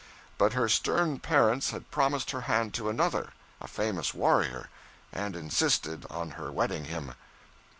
But her stern parents had promised her hand to another, a famous warrior, and insisted on her wedding him.